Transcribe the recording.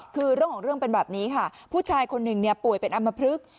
คือเรื่องของเรื่องเป็นแบบนี้ค่ะผู้ชายคนหนึ่งเนี่ยป่วยเป็นอำมพลึก